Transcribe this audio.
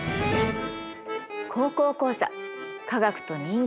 「高校講座科学と人間生活」。